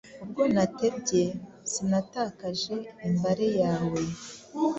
Ubwo natebye, Sinatakaje imbare yawe